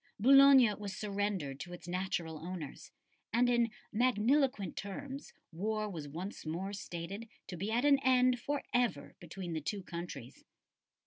Boulogne was surrendered to its natural owners, and in magniloquent terms war was once more stated to be at an end for ever between the two countries.